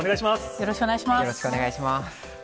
よろしくお願いします。